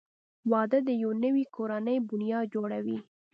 • واده د یوې نوې کورنۍ بنیاد جوړوي.